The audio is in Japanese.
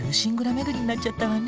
めぐりになっちゃったわね。